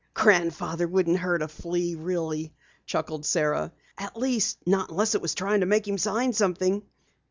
"Grandfather wouldn't hurt a flea really," chuckled Sara. "At least, not unless it was trying to make him sign something."